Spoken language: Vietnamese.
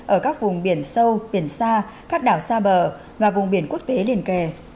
ở các vùng biển sâu biển xa các đảo xa bờ và vùng biển quốc tế liền kề